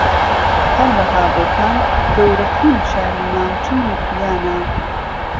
ھەروەھا بۆکان گەورەترین شاری ناوچەی موکریانە